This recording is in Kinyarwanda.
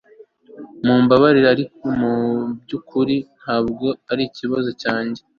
Mumbabarire ariko mubyukuri ntabwo arikibazo cyanjye